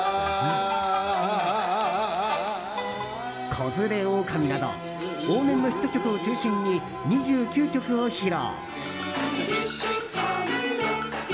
「子連れ狼」など往年のヒット曲を中心に２９曲を披露。